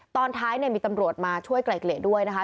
ตอนท้ายมีตำรวจมาช่วยไกลเกลี่ยด้วยนะคะ